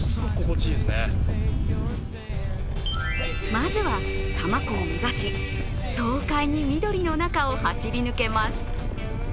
まずは、多摩湖を目指し爽快に緑の中を走り抜けます。